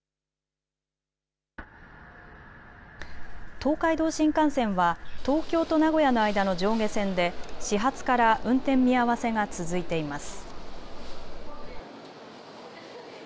東海道新幹線は東京と名古屋の間の上下線で始発から運転見合わせが続いています。